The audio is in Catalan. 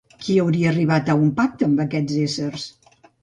Qui hauria arribat a un pacte amb aquests éssers?